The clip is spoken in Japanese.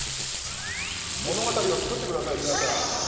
物語を作ってください、皆さん。